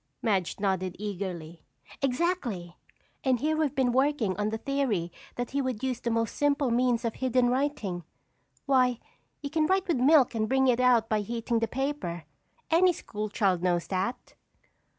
Madge nodded eagerly. "Exactly. And here we've been working on the theory that he would use the most simple means of hidden writing. Why, you can write with milk and bring it out by heating the paper. Any school child knows that."